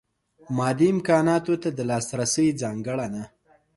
مادي امکاناتو ته د لاسرسۍ ځانګړنه.